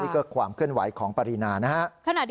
นี่ก็ความเคลื่อนไหวของปรินานะฮะ